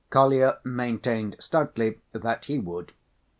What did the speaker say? Kolya maintained stoutly that he would.